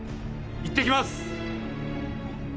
いってきます！